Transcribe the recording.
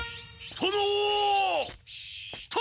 殿！